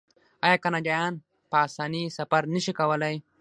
آیا کاناډایان په اسانۍ سفر نشي کولی؟